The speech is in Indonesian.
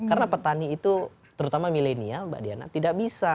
karena petani itu terutama milenial mbak diana tidak bisa